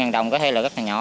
năm đồng có thể lợi rất là nhỏ